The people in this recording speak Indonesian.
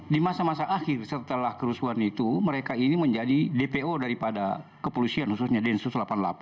di masa masa akhir setelah kerusuhan itu mereka ini menjadi dpo daripada kepolisian khususnya densus delapan puluh delapan